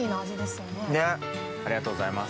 ありがとうございます。